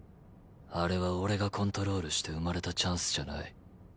あれは俺がコントロールして生まれたチャンスじゃない。